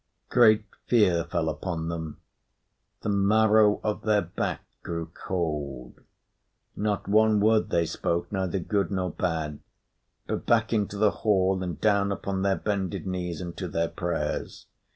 Great fear fell upon them; the marrow of their back grew cold. Not one word they spoke, neither good nor bad; but back into the hall, and down upon their bended knees, and to their prayers.